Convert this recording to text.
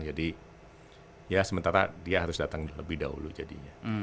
jadi ya sementara dia harus datang lebih dahulu jadinya